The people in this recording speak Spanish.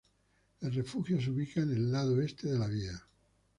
El refugio se ubica en el lado este de la vía.